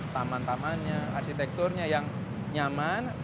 taman tamannya arsitekturnya yang nyaman